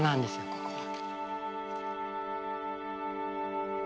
ここは。